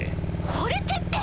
「惚れて」って！